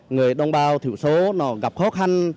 người đông bao thủ số gặp khó khăn